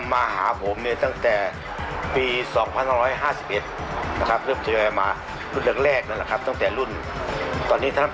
ยาท่าน้ำขาวไทยนครเพราะทุกการเดินทางของคุณจะมีแต่รอยยิ้ม